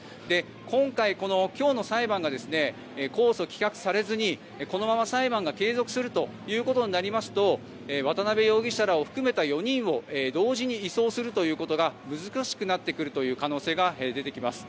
今回、今日の裁判が控訴が棄却されずにこのまま裁判が継続するということになりますと渡邉容疑者らを含めた４人を同時に移送するということが難しくなってくるという可能性が出てきます。